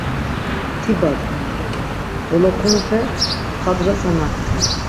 Dibaderen, dolokunupe padratza nakteren.